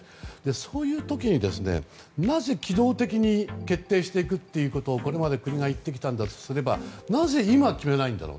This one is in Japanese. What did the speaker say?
そういう時に、なぜ機動的に決定していくということをこれまで国が言ってきたんだとすればなぜ今、決めないんだろう。